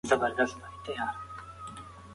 ارزونه یې دقیقه ده.